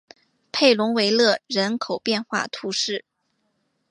佩龙维勒人口变化图示